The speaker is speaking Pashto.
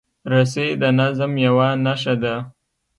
رسۍ د نظم یوه نښه ده.